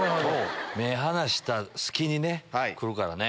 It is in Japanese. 目離した隙にね来るからね。